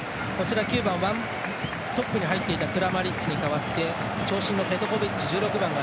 ９番、トップに入っていたクラマリッチに代わって長身のペトコビッチ、１６番が